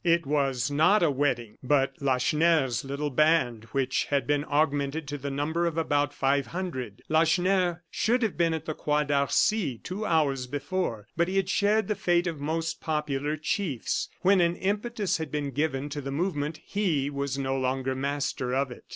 It was not a wedding, but Lacheneur's little band, which had been augmented to the number of about five hundred. Lacheneur should have been at the Croix d'Arcy two hours before. But he had shared the fate of most popular chiefs. When an impetus had been given to the movement he was no longer master of it.